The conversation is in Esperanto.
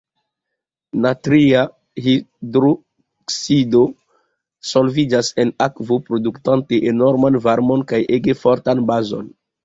Natria hidroksido solviĝas en akvo, produktante enorman varmon kaj ege fortan bazon.